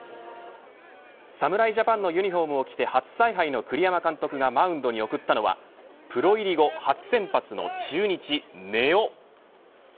侍ジャパンのユニホームを着て初采配の栗山監督がマウンドに送ったのはプロ入り後初先発の中日、根尾。